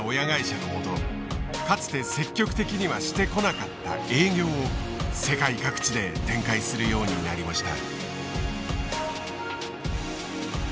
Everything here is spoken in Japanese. かつて積極的にはしてこなかった営業を世界各地で展開するようになりました。